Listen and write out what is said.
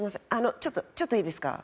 ちょっとちょっといいですか？